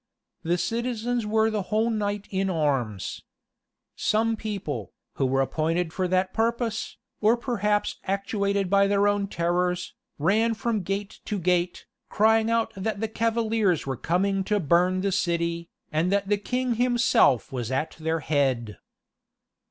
The citizens were the whole night in arms. Some people, who were appointed for that purpose, or perhaps actuated by their own terrors, ran from gate to gate, crying out that the cavaliers were coming to burn the city, and that the king himself was at their head.